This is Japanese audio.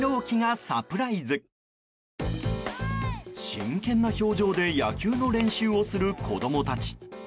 真剣な表情で野球の練習をする子供たち。